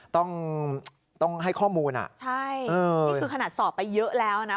ต้องต้องให้ข้อมูลอ่ะใช่นี่คือขนาดสอบไปเยอะแล้วนะ